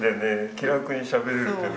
気楽にしゃべれるけど。